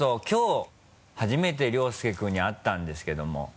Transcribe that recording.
きょう初めて僚介君に会ったんですけども。